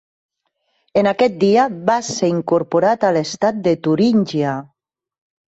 En aquest dia, va ser incorporat a l'estat de Turíngia.